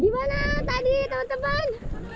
di mana tadi teman teman